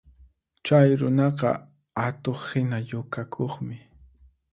Chay runaqa atuqhina yukakuqmi